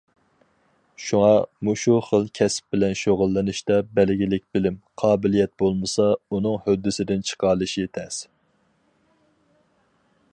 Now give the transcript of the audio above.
شۇڭا، مۇشۇ خىل كەسىپ بىلەن شۇغۇللىنىشتا بەلگىلىك بىلىم، قابىلىيەت بولمىسا، ئۇنىڭ ھۆددىسىدىن چىقالىشى تەس.